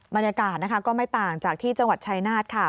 บรรยากาศนะคะก็ไม่ต่างจากที่จังหวัดชายนาฏค่ะ